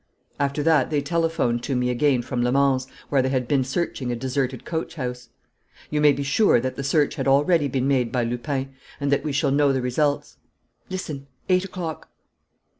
After that, they telephoned to me again from Le Mans, where they had been searching a deserted coach house. "You may be sure that the search had already been made by Lupin, and that we shall know the results. Listen: eight o'clock!"